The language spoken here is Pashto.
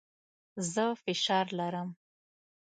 زه فشار لرم.